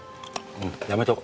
うんやめとこう。